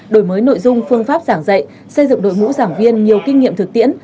đổi mới nội dung phương pháp giảng dạy xây dựng đội ngũ giảng viên nhiều kinh nghiệm thực tiễn